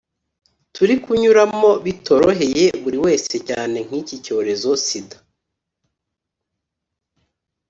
turi kunyuramo bitoroheye buri wese cyane nk’iki cyorezo sida